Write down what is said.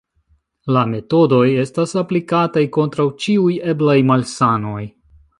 La metodoj estas aplikataj kontraŭ ĉiuj eblaj malsanoj.